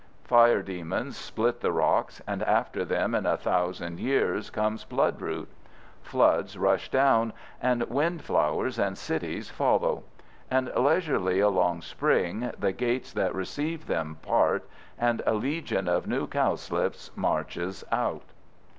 Fire demons split the rocks, and after them in a thousand years comes bloodroot. Floods rush down, and windflowers and cities follow; and leisurely, another spring, the gates that received them part, and a legion of new cowslips marches out.